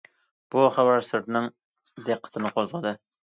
بۇ خەۋەر سىرتنىڭ دىققىتىنى قوزغىدى.